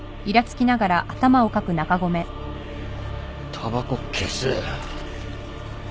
たばこ消せよ。